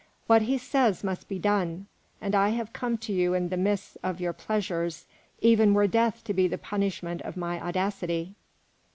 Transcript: What he says must be done, and I have come to you in the midst of your pleasures, even were death to be the punishment of my audacity."